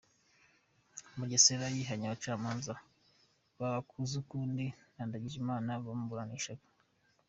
Mugesera yihannye abacamanza Bakuzakundi na Ndagijimana bamuburanishaga